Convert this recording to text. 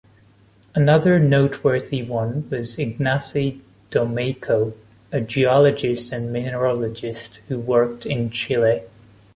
Another noteworthy one was Ignacy Domeyko, a geologist and mineralogist who worked in Chile.